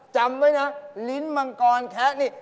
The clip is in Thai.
จำไว้นะลิ้นมังกรแคะนี่